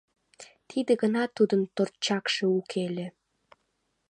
Тиде гана тудын торчакше уке ыле.